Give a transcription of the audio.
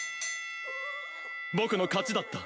僕の勝ちだった。